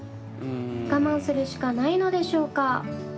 我慢するしかないのでしょうか？